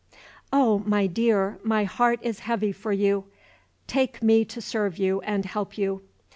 "Oh, my dear! my heart is heavy for you. Take me to serve you and help you.